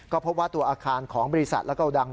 ก็พบว่าตัวอาคารของบริษัทและโกดัง